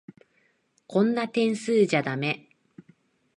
こんな点数じゃだめ。